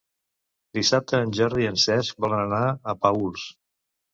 Dissabte en Jordi i en Cesc volen anar a Paüls.